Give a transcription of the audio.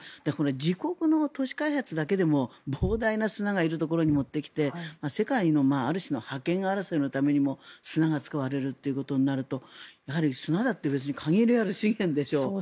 自国の都市開発だけでも膨大な砂がいるところに持ってきて世界のある種の覇権争いのためにも砂が使われるということになると砂だって限りある資源でしょう。